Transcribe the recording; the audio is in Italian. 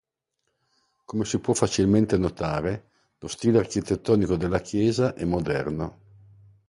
Come si può facilmente notare, lo stile architettonico della chiesa è moderno.